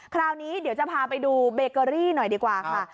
คราวนี้เดี๋ยวจะพาไปดูเบเกอรี่หน่อยดีกว่าค่ะ